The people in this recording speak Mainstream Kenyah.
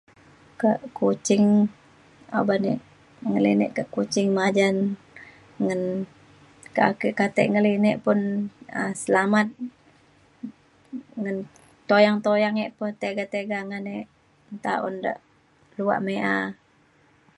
ka Kuching uban e ngelinek ke Kuching majan ngan ka kata ek ngelinek pun um selamat ngan tuyang tuyang e pa tiga tiga ngan e nta un de luak mi’a